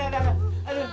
aduh aduh aduh